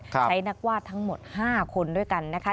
ใช้นักวาดทั้งหมด๕คนด้วยกันนะคะ